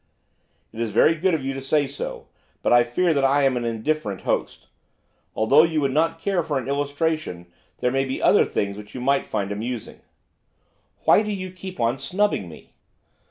'It is very good of you to say so. But I fear that I am an indifferent host. Although you would not care for an illustration, there may be other things which you might find amusing.' 'Why do you keep on snubbing me?